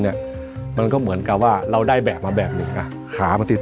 เนี้ยมันก็เหมือนกับว่าเราได้แบบมาแบบหนึ่งอ่ะขามาติด